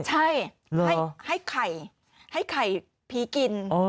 ใช่ให้ไข่ให้ไข่ผีกิน